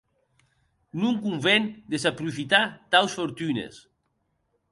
Non conven desaprofitar taus fortunes.